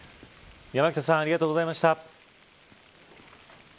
山北さんありがとうございました。